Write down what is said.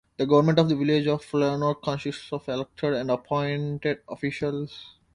The government of the Village of Leonard consists of elected and appointed officials.